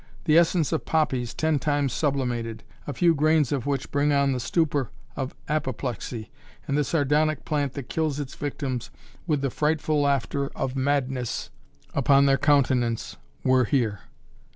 The essence of poppies, ten times sublimated, a few grains of which bring on the stupor of apoplexy, and the sardonic plant that kills its victims with the frightful laughter of madness upon their countenance, were here.